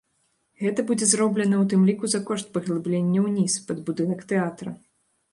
Гэта будзе зроблена ў тым ліку за кошт паглыблення ўніз, пад будынак тэатра.